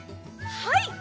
はい！